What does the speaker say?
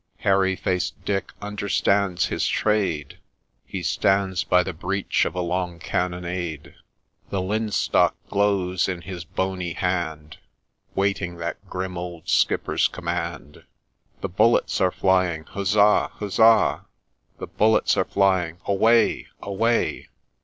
Hairy faced Dick understands his trade ; He stands by the breech of a long carronade, The linstock glows in his bony hand, Waiting that grim old Skipper's command. ' The bullets are flying — huzza ! huzza ! The bullets are flying — away ! away